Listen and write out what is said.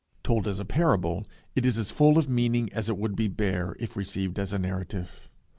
Told as a parable, it is as full of meaning as it would be bare if received as a narrative.